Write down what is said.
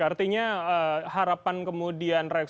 artinya harapan kemudian reaksesif